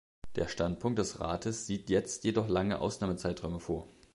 Der Standpunkt des Rates sieht jetzt jedoch lange Ausnahmezeiträume vor.